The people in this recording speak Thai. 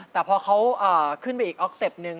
แต่พอเขาขึ้นไปอีกออกเต็ปนึง